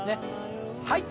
はい。